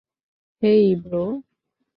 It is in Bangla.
হেই, ব্রো।